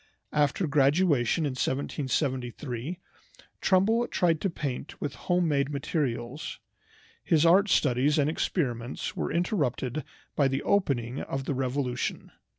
After graduation in 1773 Trumbull tried to paint with home made materials. His art studies and experiments were interrupted by the opening of the Revolution.